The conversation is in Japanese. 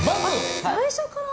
最初から？